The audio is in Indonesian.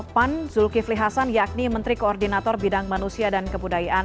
pan zulkifli hasan yakni menteri koordinator bidang manusia dan kebudayaan